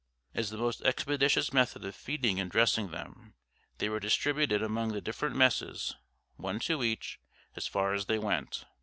As the most expeditious method of feeding and dressing them, they were distributed among the different messes, one to each, as far as they went.